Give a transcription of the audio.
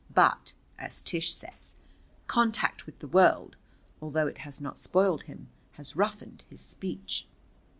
But, as Tish says, contact with the world, although it has not spoiled him, has roughened his speech.